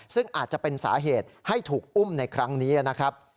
ซึ่งอาจจะเป็นสาเหตุให้ถูกอุ้มในครั้งนี้นะครับ